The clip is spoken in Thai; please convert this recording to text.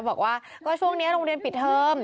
บอกว่าก็ช่วงนี้โรงเรียนปิดเทอม